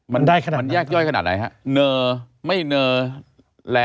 มันได้ขนาดมันแยกย่อยขนาดไหนฮะ